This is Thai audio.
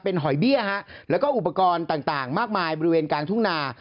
หอยเบี้ยฮะแล้วก็อุปกรณ์ต่างมากมายบริเวณกลางทุ่งนา